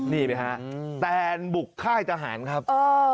นี่ไหมฮะแตนบุกค่ายทหารครับ